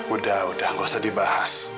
udah udah gak usah dibahas